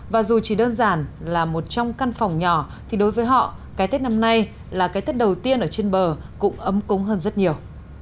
và dù chỉ đơn giản là một trong căn phòng nhỏ thì đối với họ cái tết năm nay là cái tết đầu tiên ở trên bờ cũng ấm cúng hơn rất nhiều